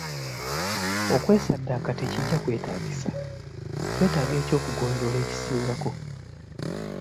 Okwesaddaaka tekijja kwetaagisa, twetaaga eky'okugonjoola ekisingako.